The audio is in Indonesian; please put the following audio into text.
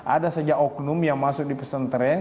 ada saja oknum yang masuk di pesantren